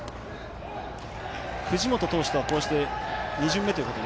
藤本投手とは、こうして２巡目ということに